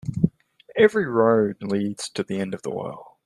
Every road leads to the end of the world.